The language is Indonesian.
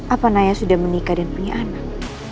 apa naya sudah menikah dan punya anak